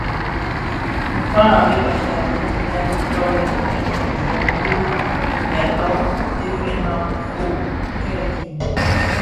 Kpag a bheg Bafia mbiň bè toňi dhifombi di kibèè löň itèfèna kifög kèèkin,